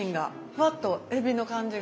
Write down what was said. ふわっとえびの感じが。